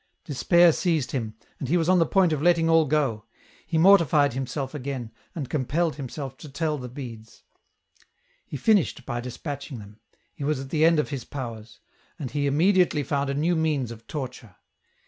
" Despair seized him, and he was on the point of letting all go ; he mortified himself again, and compelled himself to tell the beads. He finished by despatching them ; he was at the end of his powers. And he immediately found a new means of torture.